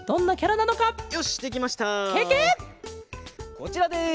こちらです！